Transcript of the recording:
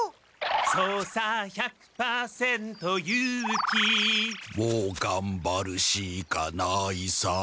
「そうさ１００％勇気」「もうがんばるしかないさ」